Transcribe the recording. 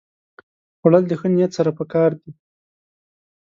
خوړل د ښه نیت سره پکار دي